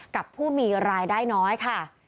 กับผู้มีรายได้น้อยค่ะ